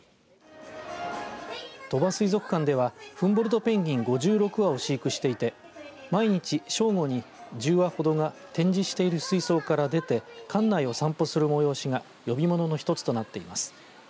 鳥羽水族館ではフンボルトペンギン５６羽を飼育していて毎日、正午に１０羽ほどが展示している水槽から出て館内を散歩する催しが呼び物の一つとなっています。